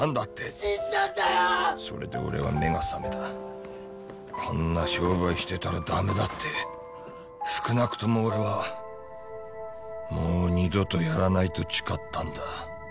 ってそれで俺は目が覚めたこんな商売してたらダメだって少なくとも俺はもう二度とやらないと誓ったんだ